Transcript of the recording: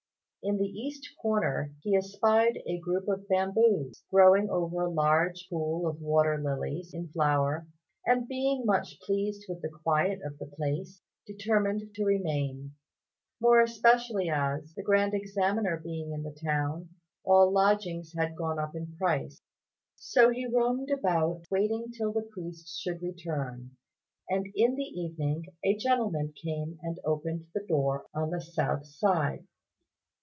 In the east corner he espied a group of bamboos, growing over a large pool of water lilies in flower; and, being much pleased with the quiet of the place, determined to remain; more especially as, the Grand Examiner being in the town, all lodgings had gone up in price. So he roamed about waiting till the priests should return; and in the evening, a gentleman came and opened the door on the south side.